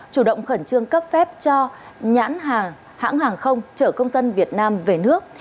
chủ động khẩn trương cấp phép cho nhãn hàng hãng hàng không chở công dân việt nam về nước